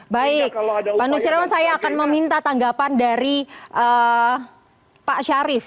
baik pak nusirwan saya akan meminta tanggapan dari pak syarif